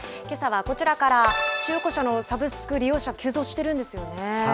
けさはこちらから、中古車のサブスク利用者急増しているですよね。